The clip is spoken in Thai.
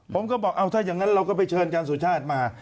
ผมก็บอกเอาถ้าอย่างนั้นเราก็ไปเชิญอาจารย์สุชาติมา